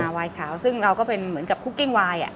อ่าไวน์ขาวซึ่งเราก็เป็นเหมือนกับคุกกิ้งไวน์อ่ะ